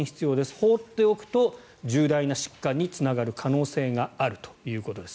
放っておくと重大な疾患につながる可能性があるということです。